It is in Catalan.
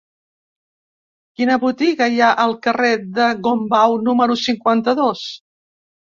Quina botiga hi ha al carrer de Gombau número cinquanta-dos?